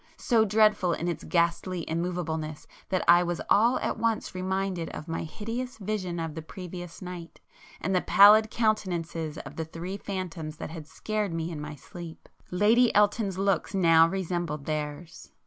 —so dreadful in its ghastly immovableness that I was all at once reminded of my hideous vision of the previous night, and the pallid countenances of the three phantoms that had scared me in my sleep. Lady Elton's looks now resembled theirs!